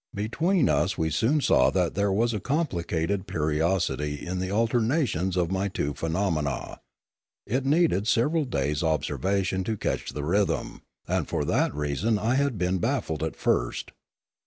Between us we soon saw that there was a complicated periodicity in the alternations of my two phenomena; it needed several days' observation to catch the rhythm, and for that reason I had been baffled at first.